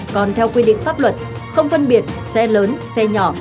còn theo quy định pháp luật không phân biệt xe lớn xe nhỏ